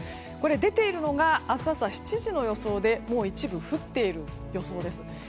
出ているのが明日朝７時の予想でもう一部降っている予想です。